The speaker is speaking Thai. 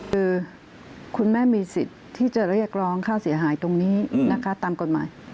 คือคุณแม่มีสิทธิ์ที่จะเรียกร้องค่าเสียหายตรงนี้นะคะตามกฎหมาย